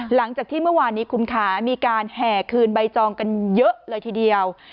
หลังจากที่เมื่อวานนี้คุณคะมีการแห่คืนใบจองกันเยอะเลยทีเดียว